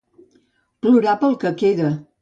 Plorar pel que queda.